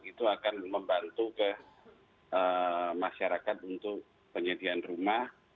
itu akan membantu ke masyarakat untuk penyediaan rumah